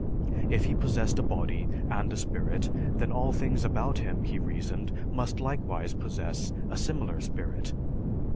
If he possessed a body and a spirit, then all things about him, he reasoned, must likewise possess a similar spirit.